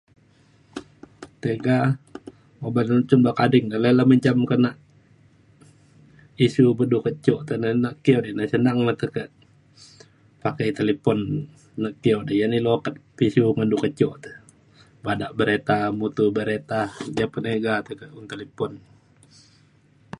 tega oban cen bekading re nta le mencam kenak isu me du dak kecuk te naki odai senang tekak pakai talipun naki odai ya ne ilu okat pisu ngan du da kecuk te badak bereta mutu bereta ja penega tekak un talipun